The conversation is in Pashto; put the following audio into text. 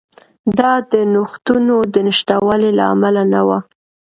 دا د نوښتونو د نشتوالي له امله نه وه.